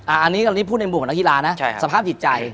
อันนี้พูดในมุมของนักกีฬานะสภาพจิตใจ